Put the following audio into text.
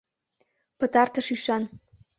Пытартыш ӱшан.